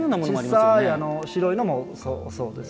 小さい白いのもそうです。